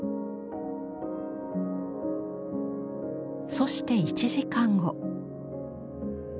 そして１時間後。